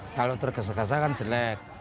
kalau tergesa gesa kan jelek